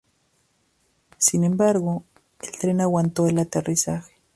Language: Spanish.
Sin embargo, el tren aguantó el aterrizaje.